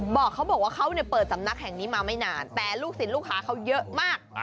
เขาบอกว่าเขาเปิดสำนักแห่งนี้มาไม่นานแต่ลูกศิลปลูกค้าเขาเยอะมาก